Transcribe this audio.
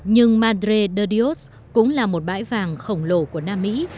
nhưng madre de rios cũng là một bãi vàng khổng lồ của nam mỹ